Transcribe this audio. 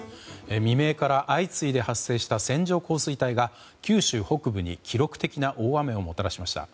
未明から相次いで発生した線状降水帯が九州北部に記録的な大雨をもたらしました。